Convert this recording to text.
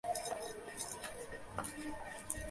সম্ভবত কালকের মধ্যেই।